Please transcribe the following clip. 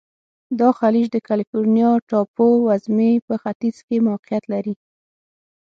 دا خلیج د کلفورنیا ټاپو وزمي په ختیځ کې موقعیت لري.